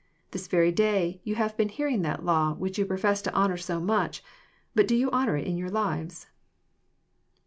"This very day you have been hearing that law, which you profess to honour so much. But do you honour it in your lives